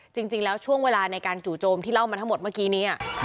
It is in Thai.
จริงแล้วช่วงเวลาในการจู่โจมที่เล่ามาทั้งหมดเมื่อกี้นี้